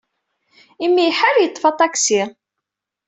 Imi ay iḥar, yeḍḍef aṭaksi.